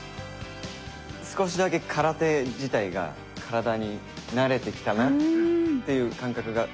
少しだけ空手自体が体に慣れてきたなっていう感覚が。